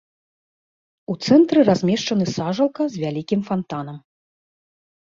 У цэнтры размешчаны сажалка з вялікім фантанам.